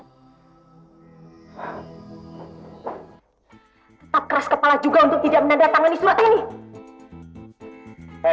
ketat keras kepala juga untuk tidak mendendam tangani surat ini